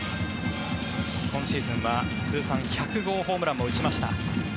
今シーズンは通算１００号ホームランも打ちました。